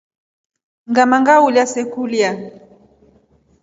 Ngama ngiluiya se kulya.